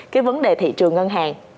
cái vấn đề thị trường ngân hàng